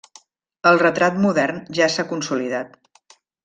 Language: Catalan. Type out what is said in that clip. El retrat modern ja s'ha consolidat.